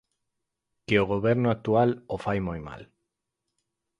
Que o goberno actual o fai moi mal.